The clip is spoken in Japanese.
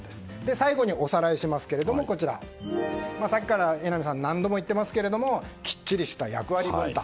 最後に、おさらいしますけどもさっきから、榎並さん何度も言ってますけれどもきっちりした役割分担。